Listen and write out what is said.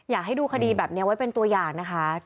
อยากให้ดูคดีแบบนี้ไว้เป็นตัวอย่างนะคะ